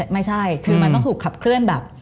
ไม่ใช่คือมันต้องถูกขับเคลื่อนแบบ